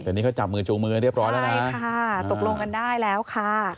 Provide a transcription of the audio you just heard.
แต่นี่เขาจับมือจูงมือกันเรียบร้อยแล้วนะใช่ค่ะตกลงกันได้แล้วค่ะ